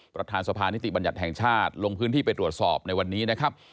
ประธานสภานิติบัญญัติแห่งชาติลงพื้นที่ไปตรวจสอบในวันนี้นะครับ